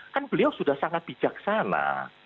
kan beliau sudah sangat bijaksana